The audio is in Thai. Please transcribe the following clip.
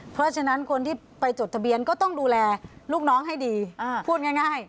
เพราะฉะนั้นคนที่ไปจดทะเบียนก็ต้องดูแลลูกน้องให้ดีพูดง่าย